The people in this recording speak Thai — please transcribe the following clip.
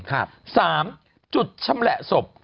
สามจุดชำแหละศพ